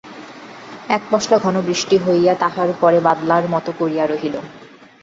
এক পশলা ঘন বৃষ্টি হইয়া তাহার পরে বাদলার মতো করিয়া রহিল।